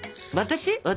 私？